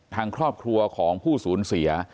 ทางครอบครัวของผู้สูญเสีย